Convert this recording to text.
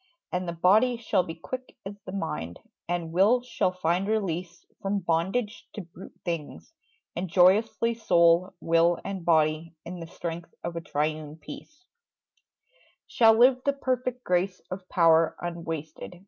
And the body shall be Quick as the mind; and will shall find release From bondage to brute things; and joyously Soul, will and body, in the strength of triune peace, Shall live the perfect grace of power unwasted.